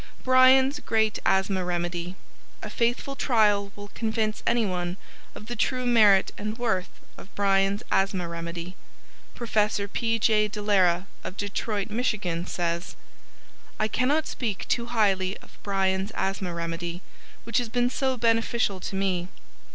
Bryans' Great Asthma Remedy A faithful trial will convince anyone of the true merit and worth of Bryans' Asthma Remedy, Professor P. J. De Lara, of Detroit, Mich., says: "I cannot speak too highly of Bryans' Asthma Remedy; which has been so beneficial to me.